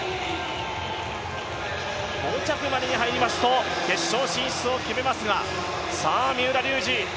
５着までに入りますと決勝進出を決めますが三浦龍司。